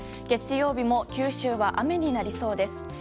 月曜日も九州は雨になりそうです。